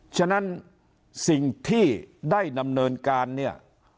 ฉะนั้นสิ่งที่ได้ดำเนินการเนี่ย